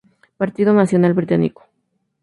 Partido Nacional Británico